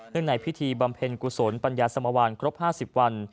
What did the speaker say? ในพิธีบำเพ็ญกุศลปัญญาสมวานครบ๕๐วัน